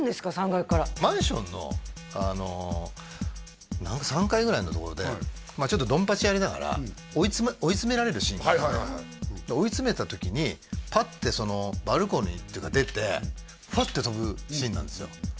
３階からマンションのあの３階ぐらいのところでまあちょっとドンパチやりながら追い詰められるシーンがあって追い詰めた時にパッてバルコニーっていうか出てフワッて飛ぶシーンなんですよ